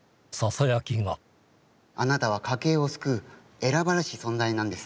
あなたは家系を救う選ばれし存在なんです。